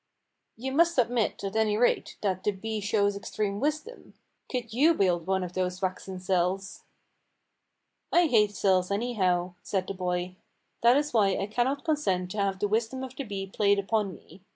"You must admit, at any rate, that the bee shows extreme wisdom. Could you build one of those waxen cells?" "I hate cells, anyhow," said the boy. "That is why I cannot consent to have the wisdom of the bee played upon me.